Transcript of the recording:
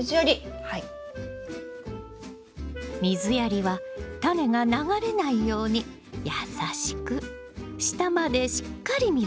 水やりはタネが流れないようにやさしく下までしっかり水を通すのよ。